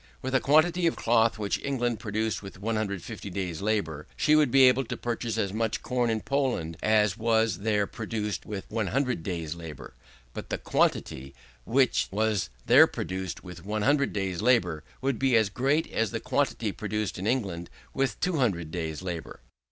With a quantity of cloth which England produced with 150 days' labour, she would be able to purchase as much corn in Poland as was there produced with 100 days' labour; but the quantity, which was there produced with 100 days' labour, would be as great as the quantity produced in England with 200 days' labour.